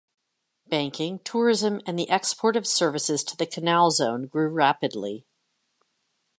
Banking, tourism, and the export of services to the Canal Zone grew rapidly.